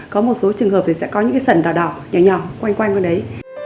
có một số trường hợp thì sẽ có những cái sần đỏ đỏ nhỏ nhỏ quanh quanh con đấy